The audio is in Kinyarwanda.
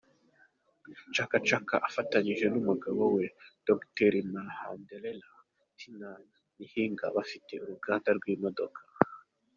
Chaka Chaka afatanyije n’umugabo we, Dr Mandlalele Tiny Mhinga, bafite uruganda rw’imodoka.